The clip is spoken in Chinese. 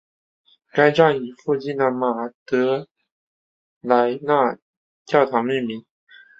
该站以附近的马德莱娜教堂命名。